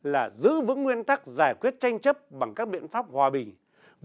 là giữ vững nguyên tắc giải quyết tranh chấp bằng các biện pháp hòa bình